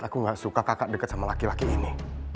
aku gak suka kakak dekat sama laki laki ini